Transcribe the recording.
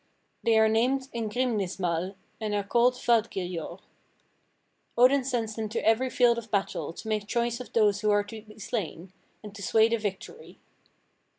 They are named in Grimnismal, and are called Valkyrjor. Odin sends them to every field of battle, to make choice of those who are to be slain, and to sway the victory.